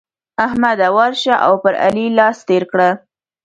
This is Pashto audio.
احمده! ورشه او پر علي لاس تېر کړه.